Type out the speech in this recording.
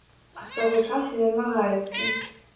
Ад таго часу ён вагаецца.